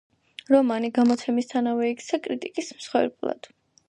რომანი გამოცემისთანავე იქცა კრიტიკის მსხვერპლად.